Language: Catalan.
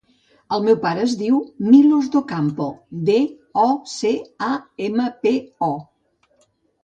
El meu pare es diu Milos Docampo: de, o, ce, a, ema, pe, o.